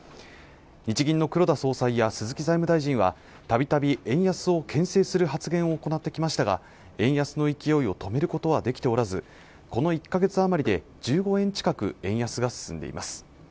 日銀の黒田総裁や鈴木財務大臣はたびたび円安をけん制する発言を行ってきましたが円安の勢いを止めることはできておらずこの１か月余りで１５円近く円安が進んでいます